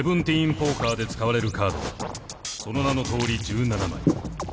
ポーカーで使われるカードはその名のとおり１７枚。